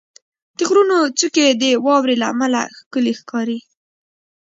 • د غرونو څوکې د واورې له امله ښکلي ښکاري.